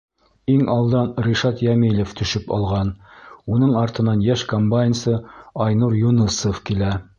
— Иң алдан Ришат Йәмилев төшөп алған, уның артынан йәш комбайнсы Айнур Юнысов килә.